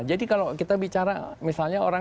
jadi kalau kita bicara misalnya orang